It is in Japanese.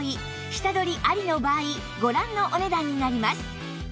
下取り有りの場合ご覧のお値段になります